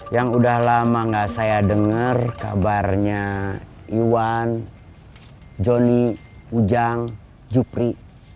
yang udah lama gak saya dengar kabarnya iwan joni ujang jupri